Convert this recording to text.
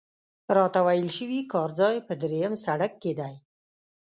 راته ویل شوي کار ځای په درېیم سړک کې دی.